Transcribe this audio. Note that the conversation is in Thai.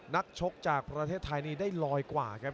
นักชกจากประเทศไทยนี้ได้ลอยกว่าครับ